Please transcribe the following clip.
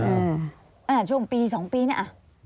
อ่าช่วงปี๒ปีเนี่ย